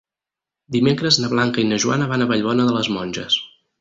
Dimecres na Blanca i na Joana van a Vallbona de les Monges.